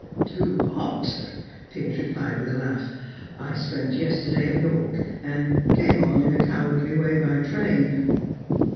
"Too hot!" Piers replied, with a laugh. "I spent yesterday at York, and came on in a cowardly way by train."